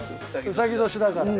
うさぎ年だからね。